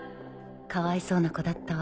かわいそうな子だったわ。